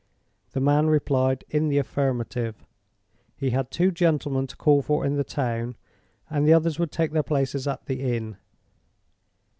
The man replied in the affirmative. He had two gentlemen to call for in the town, and the others would take their places at the inn.